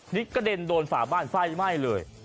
นี่กระเด็นโดนฝาบ้านไฟไหม้เลย